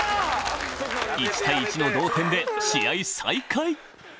１対１の同点で試合再開